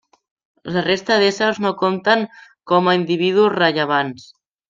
La resta d'éssers no compten com a individus rellevants.